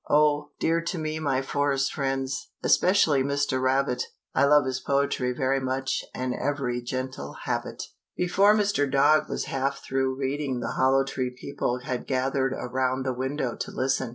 Oh, dear to me my forest friends, Especially Mr. Rabbit I love his poetry very much And every gentle habit. Before Mr. Dog was half through reading the Hollow Tree people had gathered around the window to listen.